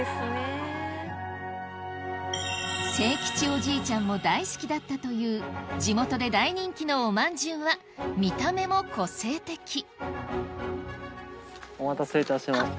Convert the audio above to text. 清吉おじいちゃんも大好きだったという地元で大人気のおまんじゅうは見た目も個性的お待たせいたしました。